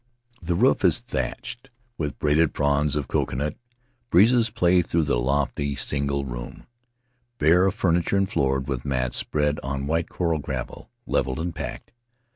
The roof is thatched with braided fronds of coconut; breezes play through the lofty single room, bare of furniture and floored with mats spread on white coral gravel, leveled and packed.